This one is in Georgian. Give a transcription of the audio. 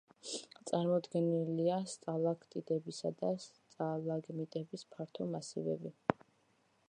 წარმოდგენილია სტალაქტიტებისა და სტალაგმიტების ფართო მასივები.